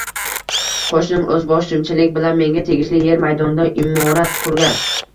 Qo‘shnim o‘zboshimchalik bilan menga tegishli yer maydonida imorat qurgan.